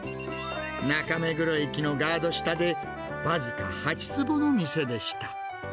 中目黒駅のガード下で、僅か８坪の店でした。